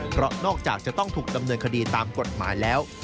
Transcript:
เพราะนอกจากจะต้องถูกดำเนินคดีตามกฎหมายแล้ว